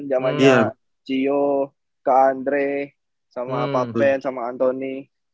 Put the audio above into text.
jamannya cio kak andre sama papen sama anthony